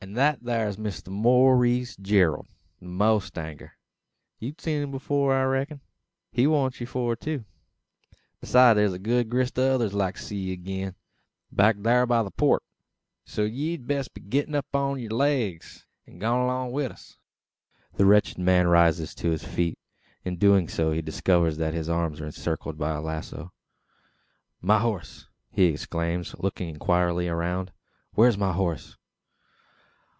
"An' that air's Mister Maurice Gerald the mowstanger. You've seed him afore, I reck'n? He wants ye for two. Beside, thar's a good grist o' others as ud like to see ye agin back thar by the Port. So ye'd best get upon yur legs, an' go along wi' us." The wretched man rises to his feet. In so doing, he discovers that his arms are encircled by a lazo. "My horse?" he exclaims, looking inquiringly around. "Where is my horse?"